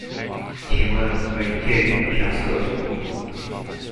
請問可以借用一下廁所嗎？